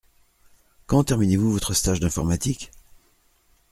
Quand terminez-vous votre stage d’informatique ?